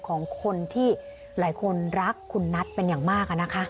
ของคนที่หลายคนรักคุณนัทเป็นอย่างมากนะคะ